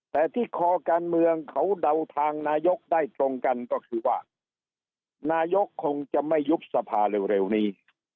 แต่ที่คอการเมืองเขาเดาทางนายกได้ตรงกันก็คือว่านายกคงจะไม่ยุบสภาเร็วนี้